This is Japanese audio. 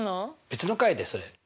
別の回でそれ。